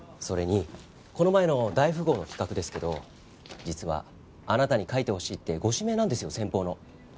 それにこの前の大富豪の企画ですけど実はあなたに書いてほしいってご指名なんですよ先方の。